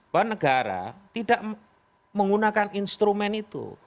bahwa negara tidak menggunakan instrumen itu